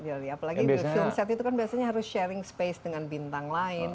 apalagi film set itu kan biasanya harus sharing space dengan bintang lain